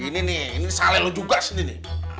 ini nih ini salah lo juga sih nih